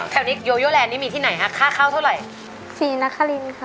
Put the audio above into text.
แถวนี้โยโยแลนด์นี่มีที่ไหนฮะค่าเข้าเท่าไหร่